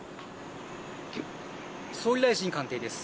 総理大臣官邸です。